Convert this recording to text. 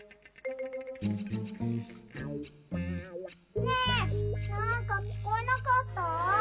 ねえなんかきこえなかった？